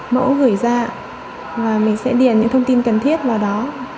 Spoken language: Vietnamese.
mẫu gửi ra là mình sẽ điền những thông tin cần thiết vào đó